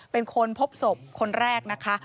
เป็นคนพบศพคนแรกนะคะ